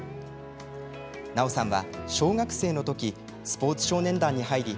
奈緒さんは小学生のときスポーツ少年団に入り